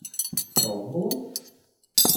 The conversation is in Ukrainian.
— Рогволод?